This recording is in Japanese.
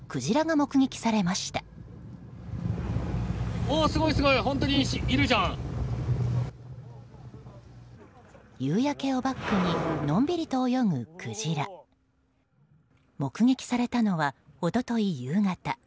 目撃されたのは一昨日夕方。